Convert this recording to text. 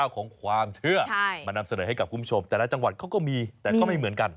ของความเชื่อมานำเสนอให้กับคุณผู้ชมแต่ละจังหวัดเขาก็มีแต่ก็ไม่เหมือนกัน